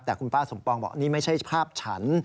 แต่คุณป้าสมปองบอกนี่ไม่ใช่ภาพฉัน